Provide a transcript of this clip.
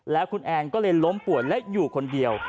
แล้วคุณแอนก็เลยล้มป่วยและอยู่คนเดียว